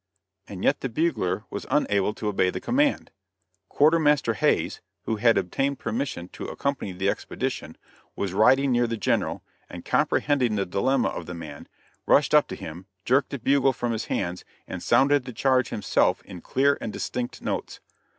and yet the bugler was unable to obey the command. Quartermaster Hays who had obtained permission to accompany the expedition was riding near the General, and comprehending the dilemma of the man, rushed up to him, jerked the bugle from his hands and sounded the charge himself in clear and distinct notes.